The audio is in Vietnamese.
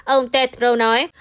ông ted rowe nói